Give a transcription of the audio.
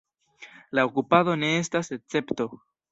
La okupado ne estas escepto.